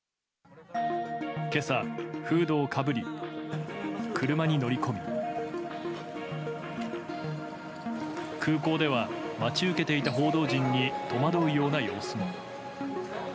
今朝、フードをかぶり車に乗り込み空港では待ち受けていた報道陣に戸惑うような様子も。